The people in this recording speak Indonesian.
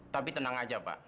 tapi tenang saja pak